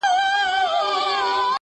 ستا پر ځنگانه اكثر_